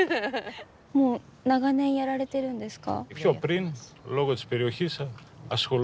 もう長年やられてるんですか？